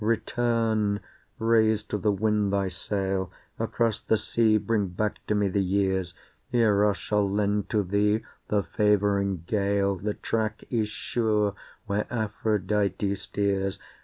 Return! Raise to the wind thy sail, Across the sea bring back to me the years, Eros shall lend to thee the favouring gale, The track is sure where Aphrodite steers.